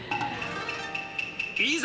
いざ！